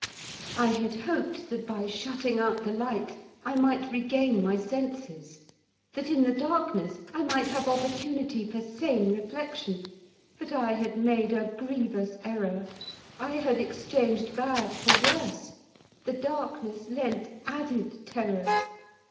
I had hoped that by shutting out the light, I might regain my senses. That in the darkness I might have opportunity for sane reflection. But I had made a grievous error. I had exchanged bad for worse. The darkness lent added terrors.